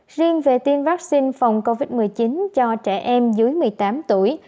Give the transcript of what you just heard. riêng về tiêm vaccine phòng covid một mươi chín cho trẻ em dưới một mươi tám tuổi